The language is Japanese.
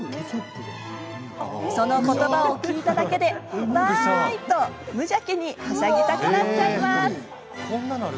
その言葉を聞いただけで「わい！」と無邪気にはしゃぎたくなっちゃいます。